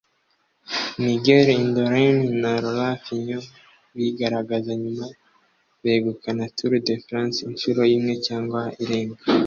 Miguel Indurain na Laurent Fignon bigaragaza nyuma begukana Tour de France inshuro imwe cyangwa irenga